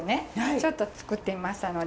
ちょっと作ってみましたので。